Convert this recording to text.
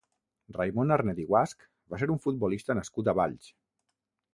Raimon Arnet i Guasch va ser un futbolista nascut a Valls.